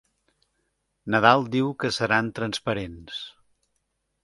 Nadal diu que seran transparents.